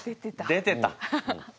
出てた。